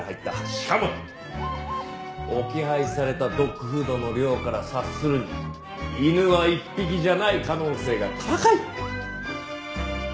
しかも置き配されたドッグフードの量から察するに犬は１匹じゃない可能性が高い。